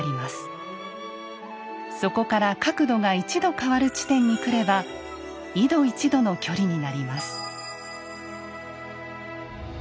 そこから角度が１度変わる地点にくれば「緯度１度の距離」になります。